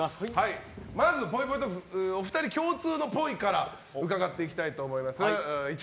まず、ぽいぽいトークお二人共通のぽいから伺っていきたいと思います。